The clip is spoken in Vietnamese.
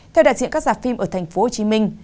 theo đại diện các giả phim ở thành phố hồ chí minh